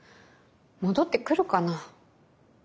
戻ってくるかな？